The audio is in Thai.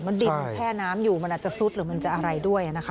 ดินมันแช่น้ำอยู่มันอาจจะซุดหรือมันจะอะไรด้วยนะคะ